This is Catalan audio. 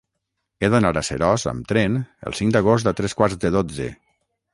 He d'anar a Seròs amb tren el cinc d'agost a tres quarts de dotze.